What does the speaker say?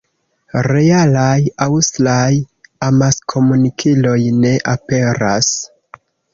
Realaj aŭstraj amaskomunikiloj ne aperas.